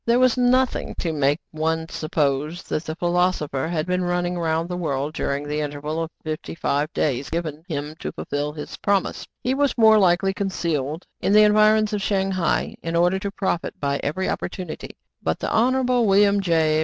There was nothing to make one suppose that the philosopher had been running round the world during the interval of fifty five days given him to fulfil his promise : he was more likely concealed in the environs of Shang hai, in order to profit by every opportunity ; but the Honorable William J.